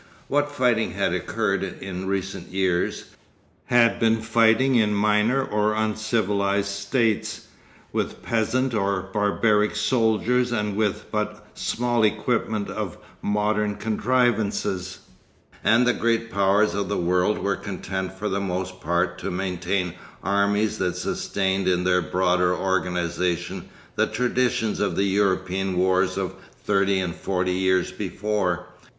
What fighting had occurred in recent years, had been fighting in minor or uncivilised states, with peasant or barbaric soldiers and with but a small equipment of modern contrivances, and the great powers of the world were content for the most part to maintain armies that sustained in their broader organisation the traditions of the European wars of thirty and forty years before.